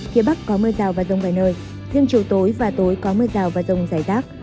phía bắc có mưa rào và rông vài nơi riêng chiều tối và tối có mưa rào và rông rải rác